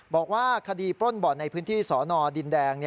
บอกว่าคดีปล้นบ่อนในพื้นที่สนดินแดง